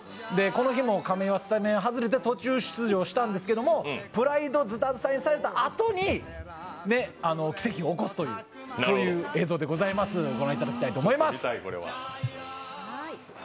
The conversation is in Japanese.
この日も亀井はスタメン外れて途中出場したんですが、プライドをズタズタにされたあとに奇跡を起こすというのを御覧いただきたいと思います。